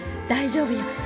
大丈夫や。